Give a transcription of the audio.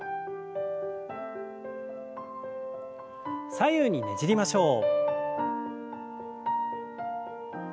左右にねじりましょう。